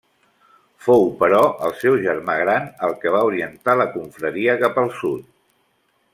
Fou però el seu germà gran el que va orientar la confraria cap al sud.